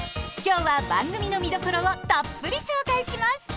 今日は番組の見どころをたっぷり紹介します！